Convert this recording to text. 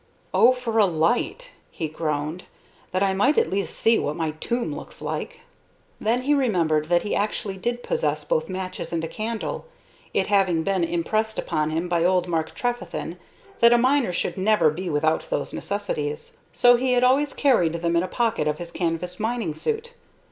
"Oh, for a light!" he groaned, "that I might at least see what my tomb looks like!" Then he remembered that he actually did possess both matches and a candle, it having been impressed upon him by old Mark Trefethen that a miner should never be without those necessities. So he had always carried them in a pocket of his canvas mining suit.